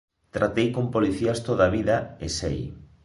Tratei con policías toda a vida e "sei".